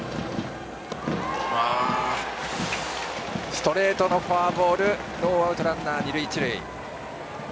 ストレートのフォアボールノーアウト、ランナー、二塁一塁。